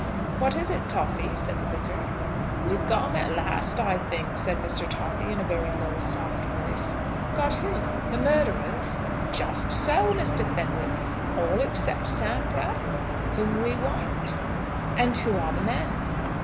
"What is it, Toffy?" said the Vicar. "We've got 'em at last, I think," said Mr. Toffy, in a very low, soft voice. "Got whom; the murderers?" "Just so, Mr. Fenwick; all except Sam Brattle, whom we want." "And who are the men?"